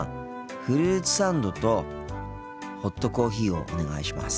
フルーツサンドとホットコーヒーをお願いします。